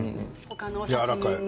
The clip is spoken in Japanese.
やわらかい。